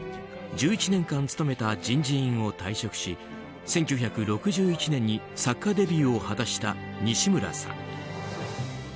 １１年間務めた人事院を退職し１９６１年に作家デビューを果たした西村さん。